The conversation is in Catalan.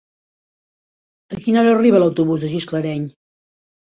A quina hora arriba l'autobús de Gisclareny?